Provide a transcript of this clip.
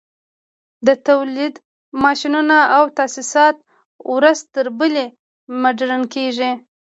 د تولید ماشینونه او تاسیسات ورځ تر بلې مډرن کېږي